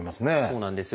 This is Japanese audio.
そうなんですよね。